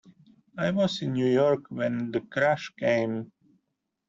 I was in New York when the crash came.